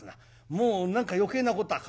もう何か余計なことは考えない。